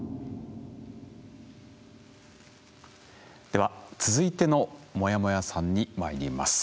では続いてのモヤモヤさんにまいります。